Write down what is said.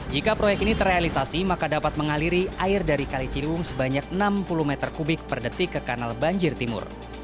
jika proyek ini terrealisasi maka dapat mengaliri air dari kali ciliwung sebanyak enam puluh meter kubik per detik ke kanal banjir timur